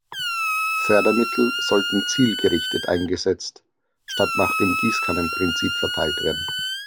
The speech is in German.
Fördermittel sollten zielgerichtet eingesetzt statt nach dem Gießkannen-Prinzip verteilt werden.